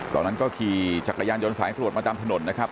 ตอนนั้นก็ขี่จักรยานยนต์สายตรวจมาตามถนนนะครับ